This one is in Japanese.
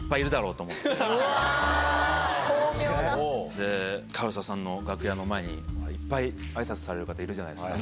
で唐沢さんの楽屋の前にいっぱいあいさつされる方いるじゃないですか。